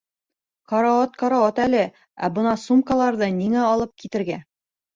Карауат-карауат әле, ә бына сумкаларҙы ниңә алып китергә?